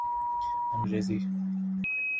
انگریزی